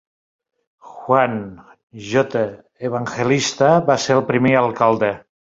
Juan J. Evangelista va ser el primer alcalde.